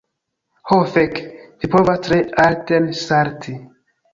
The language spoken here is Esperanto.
Ho fek', vi povas tre alten salti.